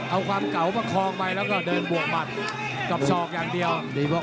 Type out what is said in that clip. เอาความเก่าประคองไปแล้วก็เดินบวกหมัดกับศอกอย่างเดียว